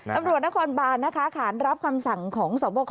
ตำรวจนครบาลนะคะรับความสั่งของสพค